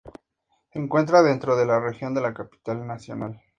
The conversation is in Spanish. Se encuentra dentro de la Región de la Capital Nacional.